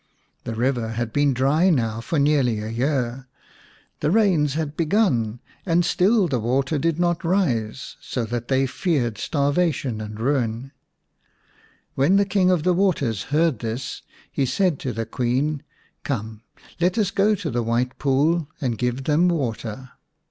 The river had been dry now for nearly a year ; the rains had begun, and still the water did not rise, so that they feared starvation and ruin. When the King of the Waters heard this he 112 TX The Serpent's Bride said to the Queen, "Come, let us go to the White Pool and give them water."